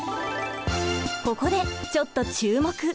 ここでちょっと注目！